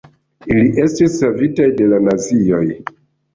Ili estis savitaj de la nazioj.